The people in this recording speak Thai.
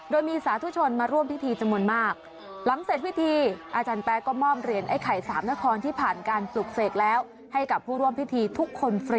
โดยมีสาธุชนมาร่วมพิธีจำนวนมาก